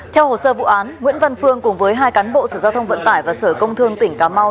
theo hồ sơ vụ án nguyễn văn phương cùng với hai cán bộ sở giao thông vận tải và sở công thương tỉnh cà mau